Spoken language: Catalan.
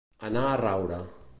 Anar a raure.